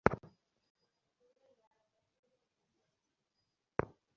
এই বিশ্বাস শুধু গেমেই সীমাবদ্ধ থাকে না।